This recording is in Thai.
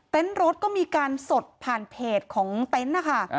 รถก็มีการสดผ่านเพจของเต็นต์นะคะ